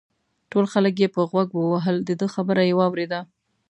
ټول خلک یې په غوږ ووهل دده خبره یې واورېده.